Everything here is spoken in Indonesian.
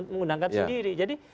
mengundangkan sendiri jadi